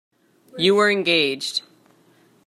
You were engaged.